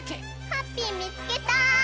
ハッピーみつけた！